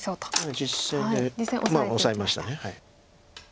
実戦でオサえました。